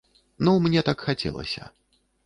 Ну, мне так і хацелася.